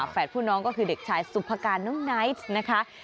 ผู้น้องก็คือเด็กชายสุภาการน้องไนท์นะคะ